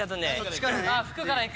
服から行く？